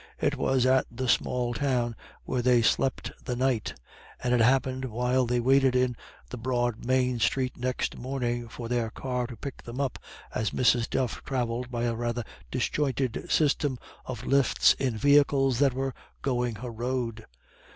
It was at the small town where they slept the night, and it happened while they waited in the broad main street next morning for their car to pick them up, as Mrs. Duff travelled by a rather disjointed system of lifts in vehicles that were going her road.